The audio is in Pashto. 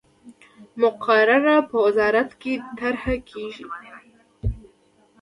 مقرره په وزارت کې طرح کیږي.